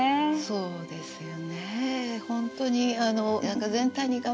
そうですね。